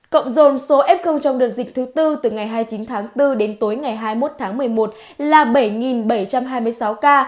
cộng dồn số f trong đợt dịch thứ tư từ ngày hai mươi chín tháng bốn đến tối ngày hai mươi một tháng một mươi một là bảy bảy trăm hai mươi sáu ca